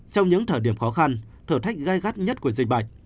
sau những thời điểm khó khăn thử thách gai gắt nhất của dịch bệnh